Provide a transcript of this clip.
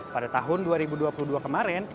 pada tahun dua ribu dua puluh dua kemarin